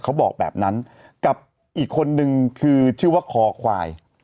เขาบอกแบบนั้นกับอีกคนนึงคือชื่อว่าคอควาย